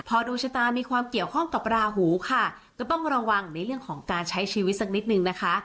พอดวงชะตามีความเกี่ยวข้องกับราหูค่ะก็ต้องระวังในเรื่องของการใช้ชีวิตสักนิดนึงนะคะ